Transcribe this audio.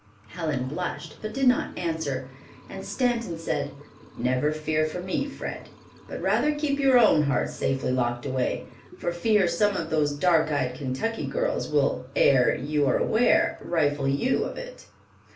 '" Helen blushed, but did not answer, and Stanton said, "Never fear for me, Fred, but rather keep your own heart safely locked away, for fear some of those dark eyed Kentucky girls will, ere you are aware, rifle you of it."